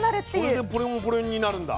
それでこれもこれになるんだ。